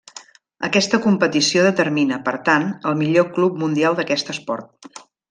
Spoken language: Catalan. Aquesta competició determina, per tant, el millor club mundial d'aquest esport.